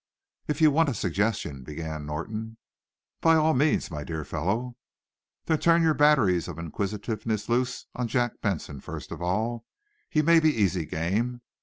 "If you want a suggestion " began Norton. "By all means, my dear fellow." "Then turn your batteries of inquisitiveness loose upon Jack Benson, first of all. He may be easy game.